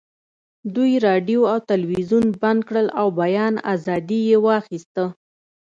دوی راډیو او تلویزیون بند کړل او بیان ازادي یې واخیسته